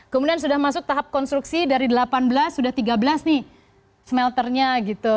kemudian sudah masuk tahap konstruksi dari delapan belas sudah tiga belas nih smelternya gitu